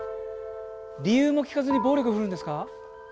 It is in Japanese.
理由も聞かずに暴力振るうんですか。